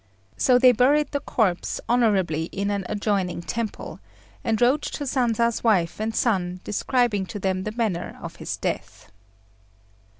So they buried the corpse honourably in an adjoining temple, and wrote to Sanza's wife and son, describing to them the manner of his death.